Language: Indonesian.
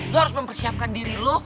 lo harus mempersiapkan diri lo